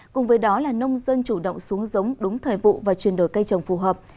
cùng với đó là nông dân chủ động xuống giống đúng thời vụ và chuyển đổi cây trồng phù hợp